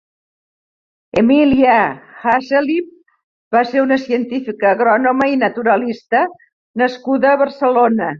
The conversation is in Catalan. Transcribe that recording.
Emilia Hazelip va ser una científica, agrònoma i naturalista nascuda a Barcelona.